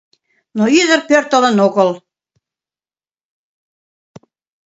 Но ӱдыр пӧртылын огыл.